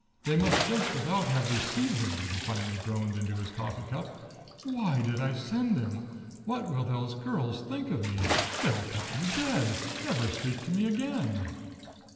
"They must just about have received them," he finally groaned into his coffee cup. "Why did I send them! What will those girls think of me! They'll cut me dead never speak to me again."